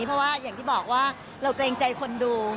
เพราะว่าอย่างที่บอกว่าเราเกรงใจคนดู